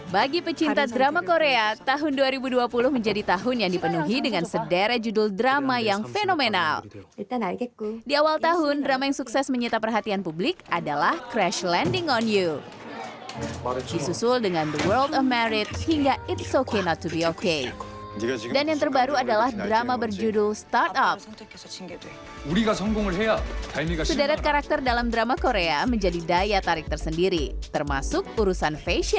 bagaimana situasi ini